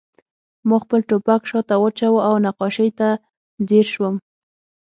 ما خپل ټوپک شاته واچاوه او نقاشۍ ته ځیر شوم